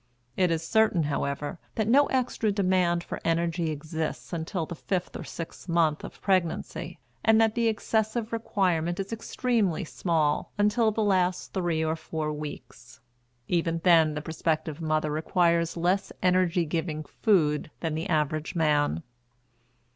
It is certain, however, that no extra demand for energy exists until the fifth or sixth month of pregnancy, and that the excessive requirement is extremely small until the last three or four weeks. Even then the prospective mother requires less energy giving food than the average man.